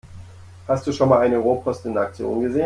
Hast du schon mal eine Rohrpost in Aktion gesehen?